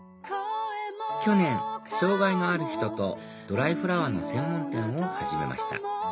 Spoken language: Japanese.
去年障がいのある人とドライフラワーの専門店を始めました